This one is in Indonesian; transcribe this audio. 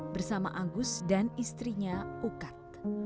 bersama agus dan istrinya ukat